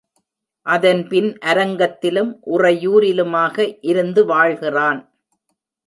அதன்பின் அரங்கத்திலும் உறையூரிலுமாக இருந்து வாழ்கிறான்.